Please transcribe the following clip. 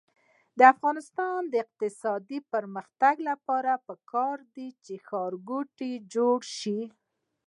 د افغانستان د اقتصادي پرمختګ لپاره پکار ده چې ښارګوټي جوړ شي.